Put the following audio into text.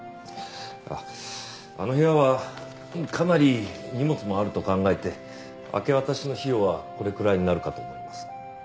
あっあの部屋はかなり荷物もあると考えて明け渡しの費用はこれくらいになるかと思います。